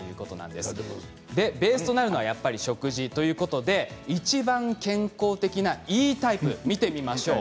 でベースとなるのはやっぱり食事ということで一番健康的なＥタイプ見てみましょう。